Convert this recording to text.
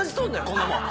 こんなもん！